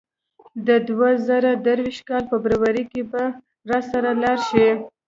د دوه زره درویشت کال فبرورۍ کې به راسره لاړ شې.